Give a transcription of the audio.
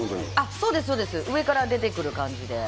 そうです、そうです、上から出てくる感じで。